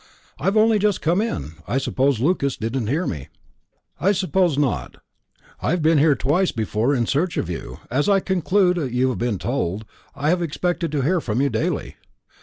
"I've only just come in; I suppose Lucas didn't hear me." "I suppose not; I've been here twice before in search of you, as I conclude you have been told. I have expected to hear from you daily."